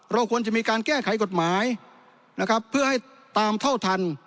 เราควรจะมีการแก้ไขกฎหมายนะครับเพื่อให้ตามเท่าทัน